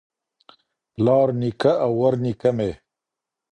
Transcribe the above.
پلار نیکه او ورنیکه مي